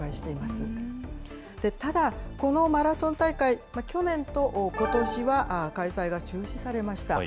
ただ、このマラソン大会、去年とことしは、開催が中止されました。